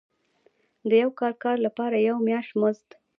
د یو کال کار لپاره یو میاشت مزد.